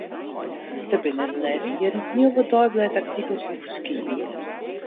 Dêr binne de lêste jierren hiel wat deiblêdartikels oer ferskynd.